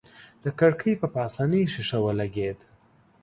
د کړکۍ په پاسنۍ ښيښه ولګېد.